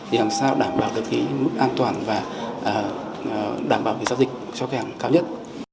để làm sao đảm bảo được cái mức an toàn và đảm bảo giao dịch cho khách hàng cao nhất